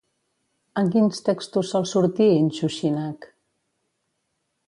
En quins textos sol sortir Inshushinak?